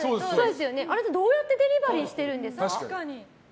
あれってどうやってデリバリーしてるんですか？